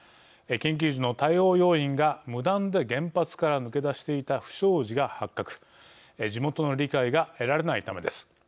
緊急時の対応要員が無断で原発から抜け出していた不祥事が発覚、地元の理解が得られないためです。